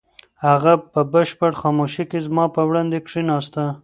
هغه په بشپړه خاموشۍ کې زما په وړاندې کښېناسته.